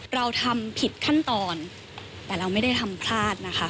เราทำผิดขั้นตอนแต่เราไม่ได้ทำพลาดนะคะ